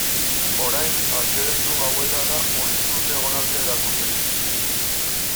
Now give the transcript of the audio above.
Orain, atzera hiru gauetara murriztu dute egonaldia erakundeek.